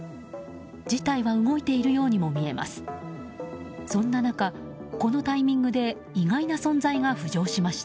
事態は動いているようにも見えます。